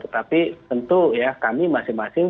tapi tentu ya kami masing masing